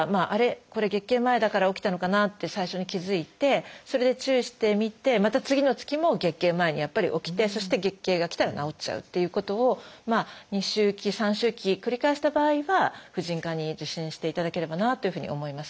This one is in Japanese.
これ月経前だから起きたのかなって最初に気付いてそれで注意してみてまた次の月も月経前にやっぱり起きてそして月経がきたら治っちゃうということを２周期３周期繰り返した場合は婦人科に受診していただければなというふうに思います。